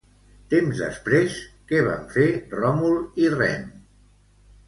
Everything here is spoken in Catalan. Temps després què van fer Ròmul i Rem?